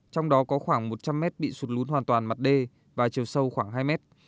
trong đó có khoảng một trăm linh mét bị sụt lún hoàn toàn mặt đê và chiều sâu khoảng hai mét